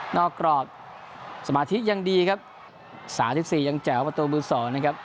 กรอบสมาธิยังดีครับสามสิบสี่ยังแจ๋วประตูมือสองนะครับ